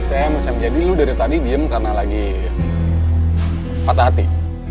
sam sam jadi lo dari tadi diem karena lagi patah hati